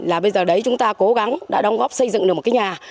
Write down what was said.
là bây giờ đấy chúng ta cố gắng đã đóng góp xây dựng được một cái nhà